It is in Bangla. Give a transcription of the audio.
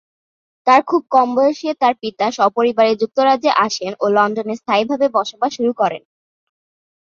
তার খুব কম বয়সে তার পিতা সপরিবারে যুক্তরাজ্যে আসেন ও লন্ডনে স্থায়ী ভাবে বসবাস শুরু করেন।